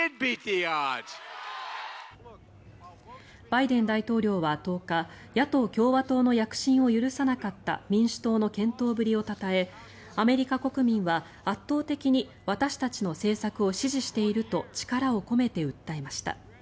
バイデン大統領は１０日野党・共和党の躍進を許さなかった民主党の健闘ぶりをたたえアメリカ国民は圧倒的に私たちの政策を支持していると力を込めて訴えました。